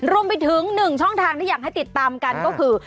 รวมไปถึง๑ช่องทางที่อยากให้ติดตามกันก็คือ